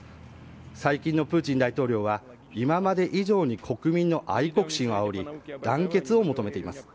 最近のプーチン大統領は今まで以上に国民の愛国心をあおり団結を求めています。